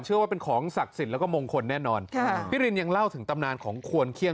เชื่อว่าเป็นของศักดิ์สิทธิ์แล้วก็มงคลแน่นอนค่ะพี่รินยังเล่าถึงตำนานของควรเขี้ยน